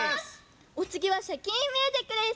おつぎは「シャキーン！ミュージック」です！